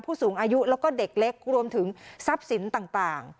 ผู้สูงอายุแล้วก็เด็กเล็กรวมถึงทรัพย์สินต่าง